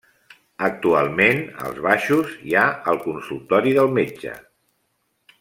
Actualment als baixos hi ha el consultori del metge.